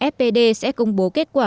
spd sẽ công bố kết quả